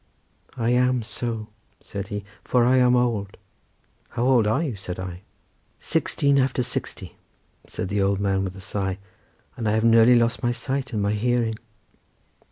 "I am so," said he, "for I am old." "How old are you?" said I. "Sixteen after sixty," said the old man with a sigh; "and I have nearly lost my sight and my hearing."